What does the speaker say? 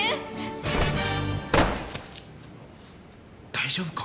大丈夫か？